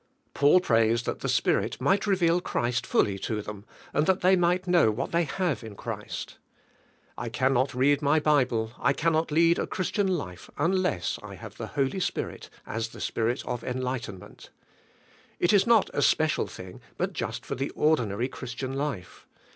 Paul prays that the Spirit might reveal Christ fully to them, and that they might know what they have in Christ. I can I'HE HOI.Y SPIRIT IN KPHKSIANS. 61 not read my Bible, I cannot lead a Christian life, unless I have the Ploly Spirit as the spirit of en lightenment. It is not a speci?J things but just for the ordinary Christian life.